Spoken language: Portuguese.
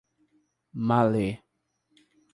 Mallet